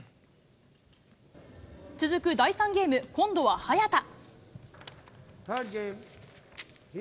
続く第３ゲーム、今度は早田。